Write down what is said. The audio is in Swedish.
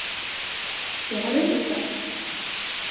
Det har du inte sagt.